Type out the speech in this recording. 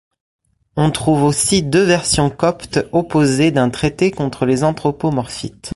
On trouve aussi deux versions coptes opposées d'un traité contre les anthropomorphites.